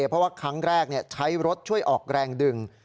เพราะว่าครั้งแรกใช้รถช่วยออกแรงดึง